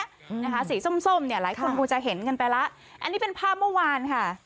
อืมนะคะสีส้มส้มเนี่ยหลายคนคงจะเห็นกันไปแล้วอันนี้เป็นภาพเมื่อวานค่ะ